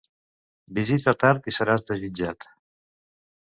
Visita tard i seràs desitjat.